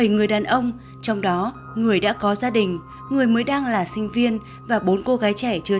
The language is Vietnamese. bảy người đàn ông trong đó người đã có gia đình người mới đang là sinh viên và bốn cô gái trẻ chưa